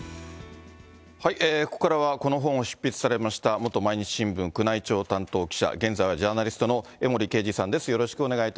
ここからはこの本を執筆されました、元毎日新聞宮内庁担当記者、現在はジャーナリストの江森敬治さんです。